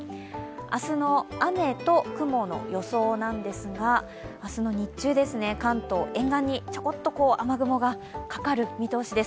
明日の雨と雲の予想なんですが明日の日中、関東沿岸にちょこっと雨雲がかかる見通しです。